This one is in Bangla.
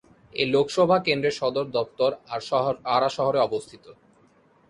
এই লোকসভা কেন্দ্রের সদর দফতর আরা শহরে অবস্থিত।